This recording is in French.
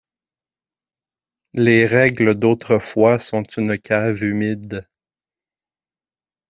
Les règles d'autrefois sont une cave humide ;